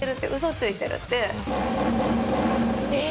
え！